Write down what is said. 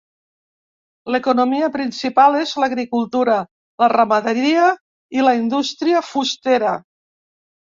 L'economia principal és l'agricultura, la ramaderia i la indústria fustera.